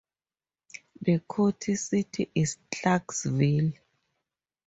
The county seat is Clarkesville.